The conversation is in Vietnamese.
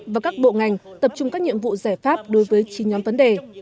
và các bộ ngành tập trung các nhiệm vụ giải pháp đối với chín nhóm vấn đề